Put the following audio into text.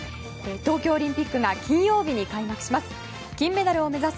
東京オリンピックが金曜日に開幕します。